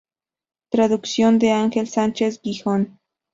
Traducción de Ángel Sánchez-Gijón.